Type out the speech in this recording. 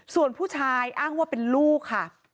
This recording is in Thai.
ส่วนผู้ชายอ้างว่าเป็นลูกค่ะ